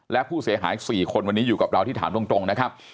และผู้เสียหาย๔คนวันนี้อยู่กับเราที่ถามตรงนะครับ